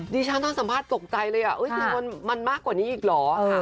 ดิฉันตอนสัมภาษณ์ตกใจเลยมันมากกว่านี้อีกเหรอ